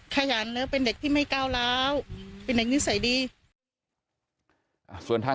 ขยัน